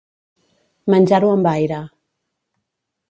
Menjar-ho amb aire.